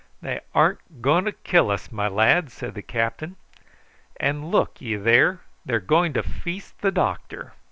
"They ar'n't going to kill us, my lad," said the captain then; "and look ye there, they are going to feast the doctor."